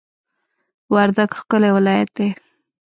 وردګ ښکلی ولایت دی